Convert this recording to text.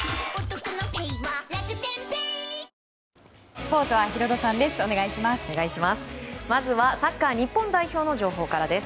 スポーツはヒロドさんです。